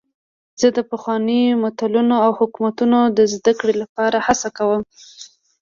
زه د پخوانیو متلونو او حکمتونو د زدهکړې لپاره هڅه کوم.